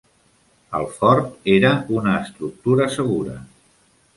El fort era una estructura segura.